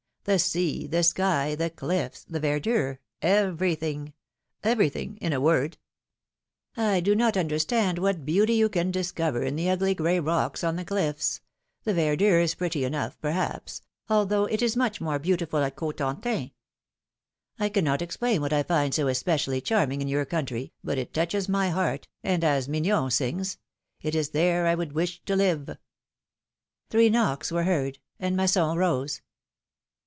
The sea, the sky, the cliflFs, the verdure, everything — everything, in a word ! I do not understand what beauty you can discover in tlie ugly gray rocks on the clitfs; the verdure is pretty enough, perhaps, although it is much more beautiful at Cotentin — cannot explain what I find so especially charming in your country, but it touches my heart, and as Mignon sings :^ It is there I would wish to live !^ Three knocks were heard, and Masson rose.